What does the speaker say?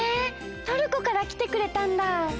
トルコからきてくれたんだ！